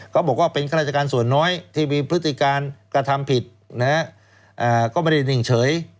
เขาบอกว่าเป็นข้าราชการส่วนน้อยที่มีพฤติการกระทำผิดนะฮะก็ไม่ได้นิ่งเฉย